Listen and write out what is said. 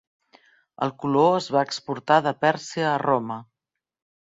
El color es va exportar de Pèrsia a Roma.